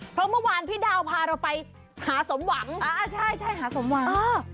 เพราะเมื่อวานพี่ดาวพาเราไปหาสมหวังอ่าใช่ใช่หาสมหวังเออ